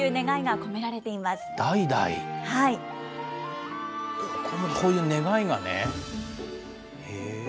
ここもこういう願いがね。